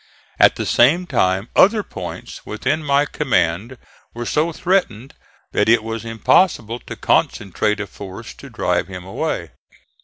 At the same time other points within my command were so threatened that it was impossible to concentrate a force to drive him away.